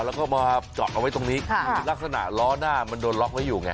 แล้วก็มาเจาะเอาไว้ตรงนี้คือลักษณะล้อหน้ามันโดนล็อกไว้อยู่ไง